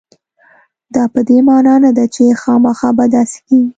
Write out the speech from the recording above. دا په دې معنا نه ده چې خامخا به داسې کېږي.